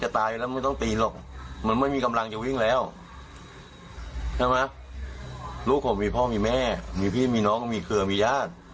จะวิ่งแล้วใช่ไหมลูกผมมีพ่อมีแม่มีพี่มีน้องมีเกลือมีญาติ